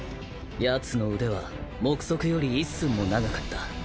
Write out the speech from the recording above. やつの腕は目測より一寸も長かった。